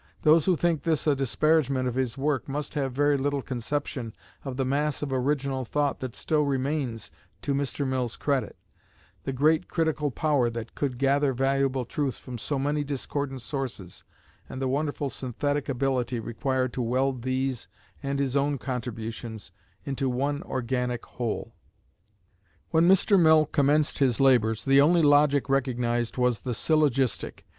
Those who think this a disparagement of his work must have very little conception of the mass of original thought that still remains to Mr. Mill's credit, the great critical power that could gather valuable truths from so many discordant sources, and the wonderful synthetic ability required to weld these and his own contributions into one organic whole. When Mr. Mill commenced his labors, the only logic recognized was the syllogistic.